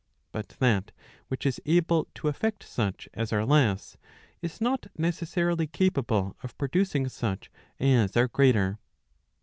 But that which is able to effect such as are less, is not neces¬ sarily capable of producing such as are greater.